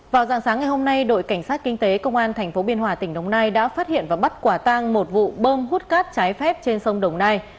vào dạng sáng ngày hôm nay đội cảnh sát kinh tế công an tp biên hòa tỉnh đồng nai đã phát hiện và bắt quả tang một vụ bơm hút cát trái phép trên sông đồng nai